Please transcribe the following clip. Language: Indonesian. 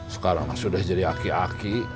sekarang sudah jadi aki aki